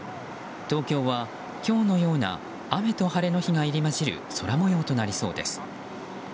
東京は今日のような雨と晴れの日が入り混じる空模様となりそうです。